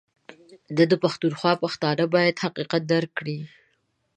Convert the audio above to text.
ده پښتونخوا پښتانه بايد حقيقت درک کړي